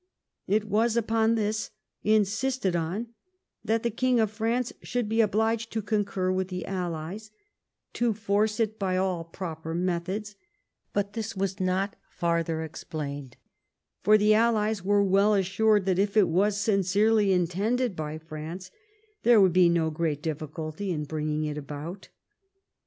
It was, upon this, insisted on, that the king of France should be obliged to concur with the Allies, to force it by all proper methods; but this was not farther explained, for the Allies were well assured, that if it was sin cerely intended by France, there would be no great difficulty in bringing it about.